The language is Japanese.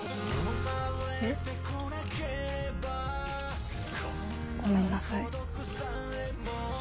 えっ？ごめんなさい。